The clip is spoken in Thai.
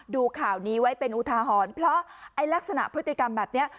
ดูข่าวนี้ไว้เป็นอุทาหรณ์เพราะไอ้ลักษณะพฤติกรรมแบบนี้